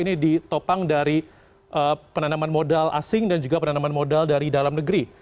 ini ditopang dari penanaman modal asing dan juga penanaman modal dari dalam negeri